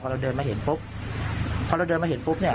เราเดินมาเห็นปุ๊บพอเราเดินมาเห็นปุ๊บเนี่ย